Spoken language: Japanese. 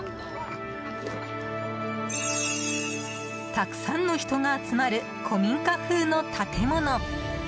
たくさんの人が集まる古民家風の建物。